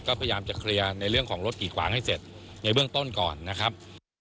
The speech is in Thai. ก็พยายามจะเคลียร์ในเรื่องของรถกีดขวางให้เสร็จในเบื้องต้นก่อนนะครับ